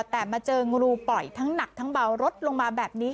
แต่มาเจองูปล่อยทั้งหนักทั้งเบารถลงมาแบบนี้